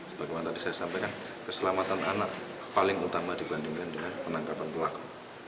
sebagaimana tadi saya sampaikan keselamatan anak paling utama dibandingkan dengan penangkapan pelaku